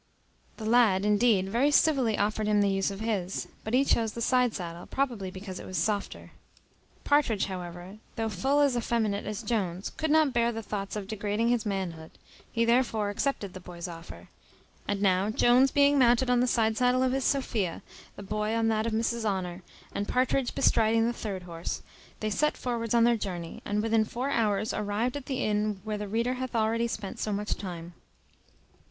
The lad, indeed, very civilly offered him the use of his; but he chose the side saddle, probably because it was softer. Partridge, however, though full as effeminate as Jones, could not bear the thoughts of degrading his manhood; he therefore accepted the boy's offer: and now, Jones being mounted on the side saddle of his Sophia, the boy on that of Mrs Honour, and Partridge bestriding the third horse, they set forwards on their journey, and within four hours arrived at the inn where the reader hath already spent so much time.